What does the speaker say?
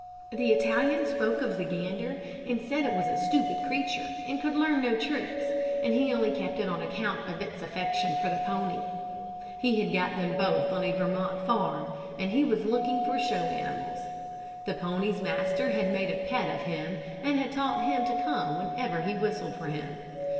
"The Italian spoke of the gander, and said it was a stupid creature, and could learn no tricks, and he only kept it on account of its affection for the pony. He had got them both on a Vermont farm, when he was looking for show animals. The pony's master had made a pet of him, and had taught him to come whenever he whistled for him.